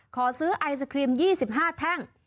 ขอซื้อไอศครีม๒๕แท่ง